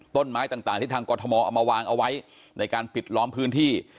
ต้นไม้ต่างที่ทางกรทมเอามาวางเอาไว้ในการปิดล้อมพื้นที่